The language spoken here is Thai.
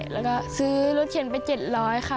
แล้วก็ซื้อรถเข็นไป๗๐๐ค่ะ